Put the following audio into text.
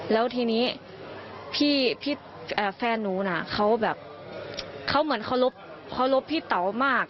แล้วทีนี้พี่แฟนหนูน่ะเขาแบบเขาเหมือนเคารพพี่เต๋ามาก